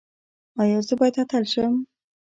ایا زه باید اتل شم؟